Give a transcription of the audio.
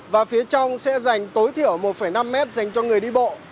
và phía trong sẽ dành tối thiểu một năm mét dành cho người đi bộ